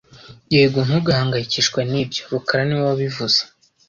Yego, ntugahangayikishwe nibyo rukara niwe wabivuze